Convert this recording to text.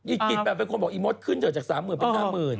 อีกกี่แบบเป็นคนบอกอีมดขึ้นเถอะจาก๓๐๐๐เป็น๕๐๐๐